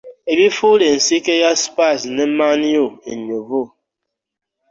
Ebifuula ensiike ya spurs ne Man u enyuvu ,